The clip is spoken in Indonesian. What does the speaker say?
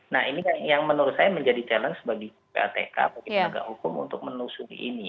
nah ini yang menurut saya menjadi challenge bagi ppatk bagi tenaga hukum untuk menelusuri ini